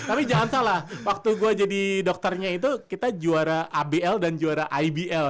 tapi jangan salah waktu gue jadi dokternya itu kita juara abl dan juara ibl